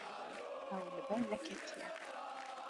Ew li ber neketiye.